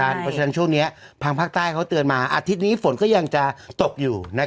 เพราะฉะนั้นช่วงนี้ทางภาคใต้เขาเตือนมาอาทิตย์นี้ฝนก็ยังจะตกอยู่